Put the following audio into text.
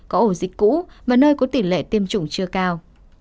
có ổ dịch cũ và nơi có tỷ lệ tiêm chủng chưa cao